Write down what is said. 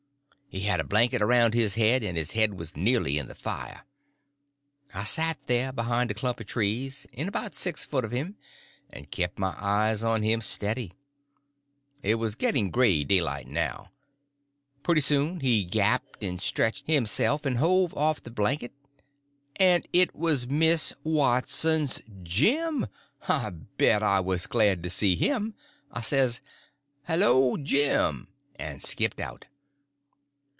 He had a blanket around his head, and his head was nearly in the fire. I set there behind a clump of bushes, in about six foot of him, and kept my eyes on him steady. It was getting gray daylight now. Pretty soon he gapped and stretched himself and hove off the blanket, and it was Miss Watson's Jim! I bet I was glad to see him. I says: "Hello, Jim!" and skipped out.